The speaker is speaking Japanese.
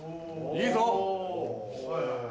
いいぞ。